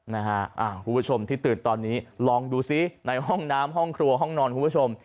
คุณผู้ชมที่ตื่นตอนนี้ลองดูซิในห้องน้ำห้องครัวห้องนอนคุณผู้ชม